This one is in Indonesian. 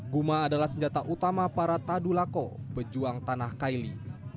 guma adalah senjata utama para tadulako pejuang tanah kaili